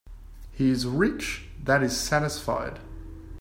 He is rich that is satisfied.